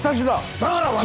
だから私が！